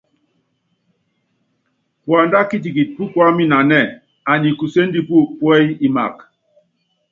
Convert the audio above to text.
Puándá kitikiti púkuáminanɛ́ɛ, anyikuséndi pú púɛyi imaka.